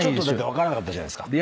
分からなかったじゃないですか。